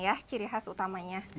ya kertas utamanya